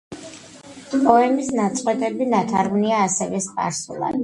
პოემის ნაწყვეტები ნათარგმნია ასევე სპარსულად.